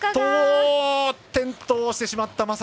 転倒してしまった。